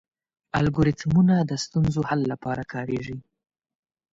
الګوریتمونه د ستونزو حل لپاره کارېږي.